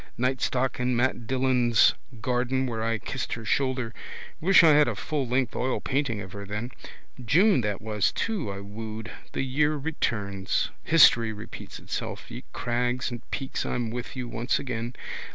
Nightstock in Mat Dillon's garden where I kissed her shoulder. Wish I had a full length oilpainting of her then. June that was too I wooed. The year returns. History repeats itself. Ye crags and peaks I'm with you once again.